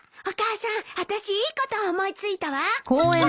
お母さん私いいことを思い付いたわ。